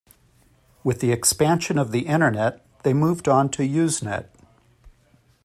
With the expansion of the Internet they moved on to Usenet.